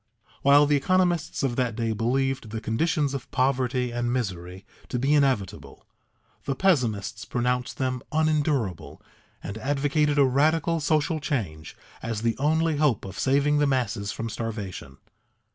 While the economists of that day believed the conditions of poverty and misery to be inevitable, the pessimists pronounced them unendurable, and advocated a radical social change as the only hope of saving the masses from starvation.